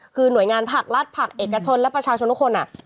คือหน่วยงานผักรภักภัก๑๓